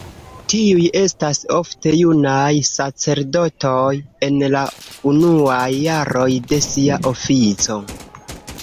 Tiuj estas ofte junaj sacerdotoj en la unuaj jaroj de sia ofico.